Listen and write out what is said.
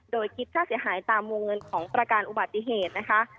โดยคิดค่าเสียหายตามวงเงินของประการอุบัติเหตุนะคะ